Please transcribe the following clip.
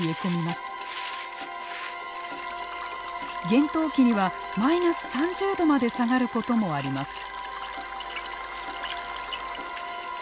厳冬期にはマイナス３０度まで下がることもあります。